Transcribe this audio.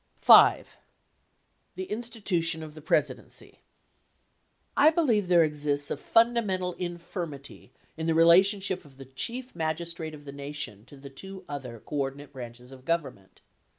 V. The institution of the Presidency. I believe there exists a fundamental infirmity in the relationship of the Chief Magistrate of the Nation to the two other coordinate branches of Government.